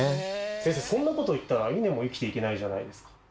先生そんなこと言ったらイネも生きていけないじゃないですか。